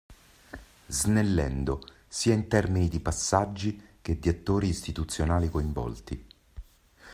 Snellendo sia in termini di passaggi che di attori istituzionali coinvolti.